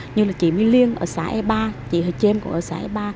như là chị my liên ở xã e ba chị hồ chêm cũng ở xã e ba